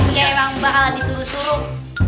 dia emang bakal disuruh suruh